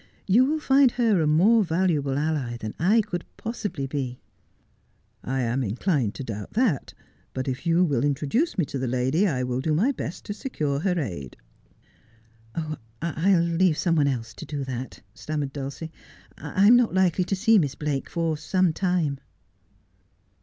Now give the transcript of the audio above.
You will find her a more valuable ally than I can possibly be.' ' I am inclined to doubt that. But if you will introduce me to the lady I will do my best to secure her aid.' ' I will leave some one else to do that,' stammered Dulcie ;' I am not likely to see Miss Blake for some time.'